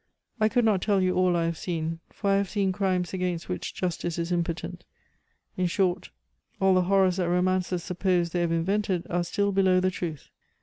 I could not tell you all I have seen, for I have seen crimes against which justice is impotent. In short, all the horrors that romancers suppose they have invented are still below the truth.